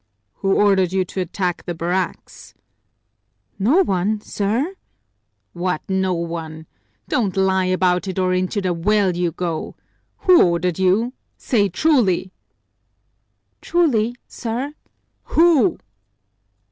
"Who ordered you to attack the barracks?" "No one, sir!" "What, no one? Don't lie about it or into the well you go! Who ordered you? Say truly!" "Truly, sir!" "Who?"